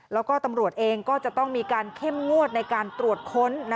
แล้วก็ตำรวจเองก็จะต้องมีการเข้มงวดในการตรวจค้น